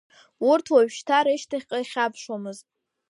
Урҭ уажәшьҭа рышьҭахьҟа ихьаԥшуамызт.